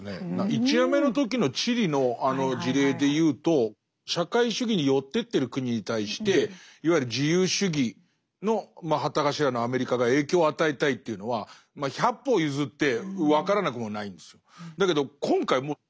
１夜目の時のチリのあの事例でいうと社会主義に寄ってってる国に対していわゆる自由主義の旗頭のアメリカが影響を与えたいというのはまあ百歩譲って分からなくもないんですよ。